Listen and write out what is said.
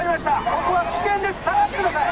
ここは危険です下がってください